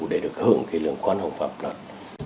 để được hưởng cái lượng quan hồng pháp luật